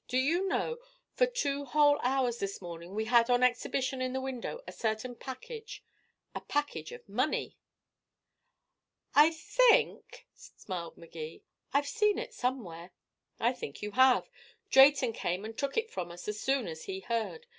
Do you know, for two whole hours this morning we had on exhibition in the window a certain package a package of money!" "I think," smiled Magee, "I've seen it somewhere." "I think you have. Drayton came and took it from us as soon as he heard.